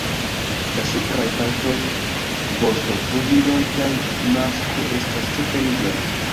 La supraj partoj, vosto, flugiloj kaj masko estas ĉefe nigraj.